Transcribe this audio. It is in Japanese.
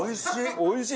おいしい！